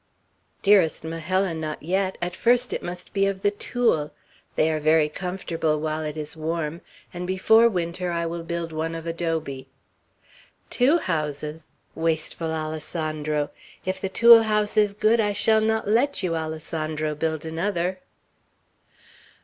"Dearest Majella, not yet! At first it must be of the tule. They are very comfortable while it is warm, and before winter I will build one of adobe." "Two houses! Wasteful Alessandro! If the tule house is good, I shall not let you, Alessandro, build another."